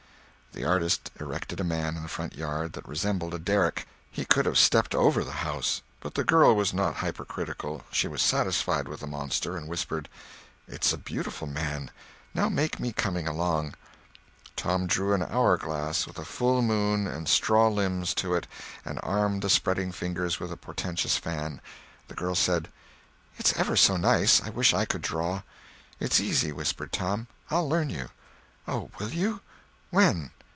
The artist erected a man in the front yard, that resembled a derrick. He could have stepped over the house; but the girl was not hypercritical; she was satisfied with the monster, and whispered: "It's a beautiful man—now make me coming along." Tom drew an hour glass with a full moon and straw limbs to it and armed the spreading fingers with a portentous fan. The girl said: "It's ever so nice—I wish I could draw." "It's easy," whispered Tom, "I'll learn you." "Oh, will you? When?"